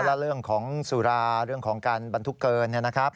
และเรื่องของสุราเรื่องของการบรรทุกเกินเนี่ยนะครับ